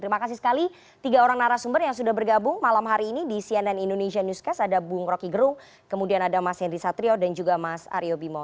terima kasih sekali tiga orang narasumber yang sudah bergabung malam hari ini di cnn indonesia newscast ada bung roky gerung kemudian ada mas henry satrio dan juga mas aryo bimo